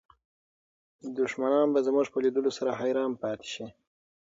دښمنان به زموږ په لیدلو سره حیران پاتې شي.